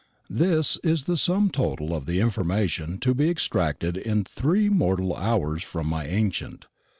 This is the sum total of the information to be extracted in three mortal hours from my ancient.